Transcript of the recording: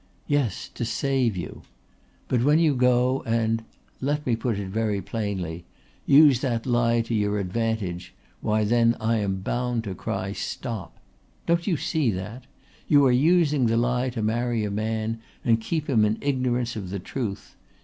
Yes, to save you. But when you go and let me put it very plainly use that lie to your advantage, why then I am bound to cry 'stop.' Don't you see that? You are using the lie to marry a man and keep him in ignorance of the truth.